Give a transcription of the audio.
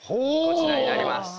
こちらになります。